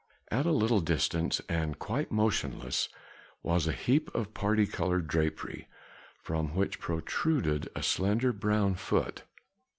At a little distance, and quite motionless, was a heap of parti colored drapery, from which protruded a slender brown foot.